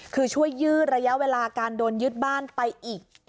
คือช่วยยืดระยะเวลาการโดนยึดบ้านไปอีก